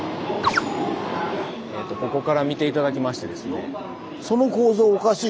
えとここから見て頂きましてですね。